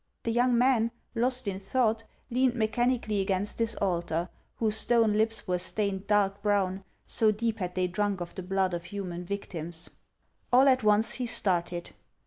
The young man, lost in thought, leaned mechanically against this altar, whose stone lips were stained dark brown, so deep had they drunk of the blood of human victims. All at once he started.